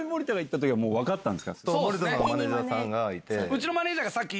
森田さんのマネージャーさんがいて。